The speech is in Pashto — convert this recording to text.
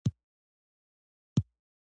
کتیبې ډبر لیکونه پخوانۍ ودانۍ مجسمې هم شته.